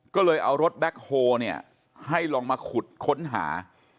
ก็เลยเอารถแบ็คโฮเนี่ยให้ลองมาขุดค้นหา